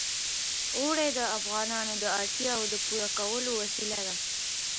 اوړي د افغانانو د اړتیاوو د پوره کولو وسیله ده.